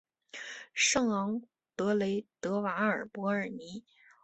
圣昂德雷德瓦尔博尔尼。